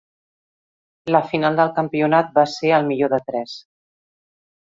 La final del campionat va ser al millor de tres.